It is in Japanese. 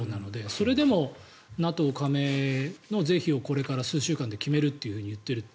それでもＮＡＴＯ加盟の是非をこれから数週間で決めると言っている。